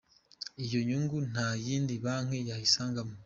Iyo nyungu nta yindi banki wayisangamo.